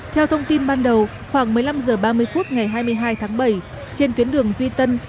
theo thông tin ban đầu khoảng một mươi năm h ba mươi phút ngày hai mươi hai tháng bảy trên tuyến đường duy tân